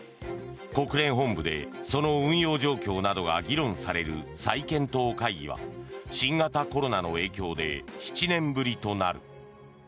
国連本部でその運用状況などが議論される再検討会議は新型コロナの影響で７年ぶりとなる。